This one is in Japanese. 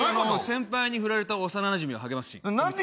先輩に振られた幼なじみを励ますシーン。